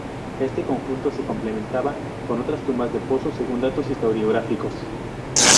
Este conjunto se completaba con otras tumbas de pozo según datos historiográficos.